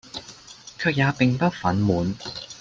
卻也並不憤懣，